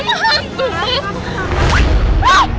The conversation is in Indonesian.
nging jelas dong